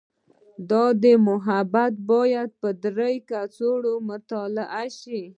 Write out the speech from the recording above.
دا مبحث باید په درېیو کچو مطالعه شي.